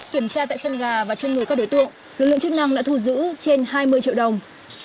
kiểm tra tại sân gà và trên người các đối tượng lực lượng chức năng đã thu giữ trên hai mươi triệu đồng